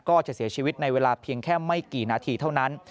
ก็จะเสียชีวิตในเวลาเพียงแค่ไม่กี่นาทีเท่านั้น